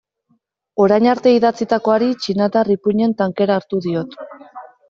Orain arte idatzitakoari txinatar ipuin-en tankera hartu diot.